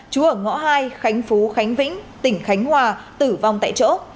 chú ở ngõ hai khánh phú khánh vĩnh tỉnh khánh hòa tử vong tại chỗ